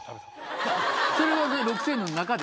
それは６，０００円の中で？